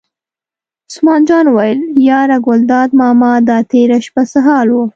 عثمان جان وویل: یاره ګلداد ماما دا تېره شپه څه حال و.